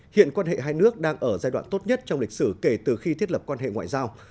hiện quan hệ hai nước đang ở giai đoạn tốt nhất trong lịch sử kể từ khi thiết lập quan hệ ngoại giao